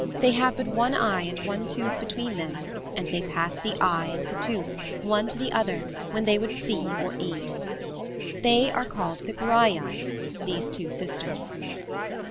They have but one eye and one tooth between them, and they pass the eye and the tooth, one to the other, when they would see or eat. They are called the Graiai, these two sisters.